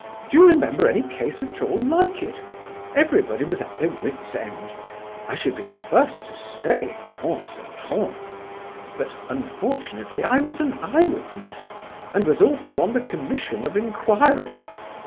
Do you remember any case at all like it? Everybody was at their wits' end. I should be the first to say 'qu'on se trompe,' but unfortunately I was an eye witness, and was also on the commission of inquiry.